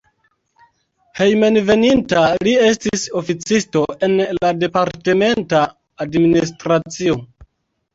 Hejmenveninta li estis oficisto en la departementa administracio.